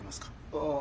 ああ。